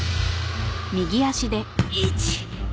１。